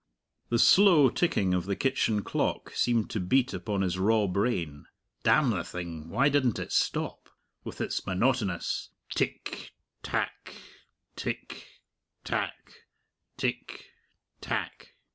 The slow ticking of the kitchen clock seemed to beat upon his raw brain. Damn the thing, why didn't it stop with its monotonous tick tack, tick tack, tick tack?